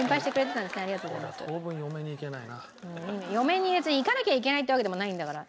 嫁に別にいかなきゃいけないってわけでもないんだから。